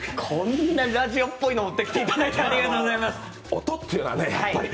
こんなラジオっぽいの持ってきていただいてありがとうございます。